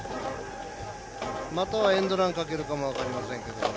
または、エンドランかけるかも分かりませんけども。